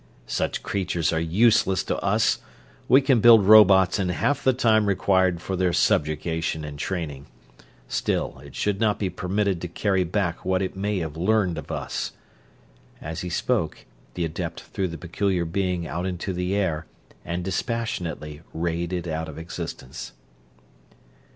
"Such creatures are useless to us; we can build robots in half the time required for their subjugation and training. Still, it should not be permitted to carry back what it may have learned of us." As he spoke the adept threw the peculiar being out into the air and dispassionately rayed it out of existence.